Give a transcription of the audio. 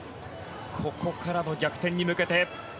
ここからの逆転に向けて。